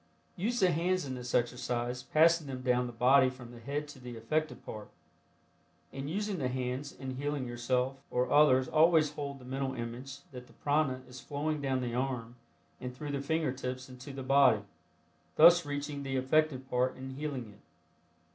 Use the hands in this exercise, passing them down the body from the head to the affected part. In using the hands in healing yourself or others always hold the mental image that the prana is flowing down the arm and through the finger tips into the body, thus reaching the affected part and healing it.